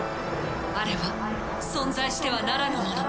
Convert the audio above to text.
あれは存在してはならぬ者。